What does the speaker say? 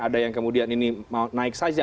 ada yang kemudian ini mau naik saja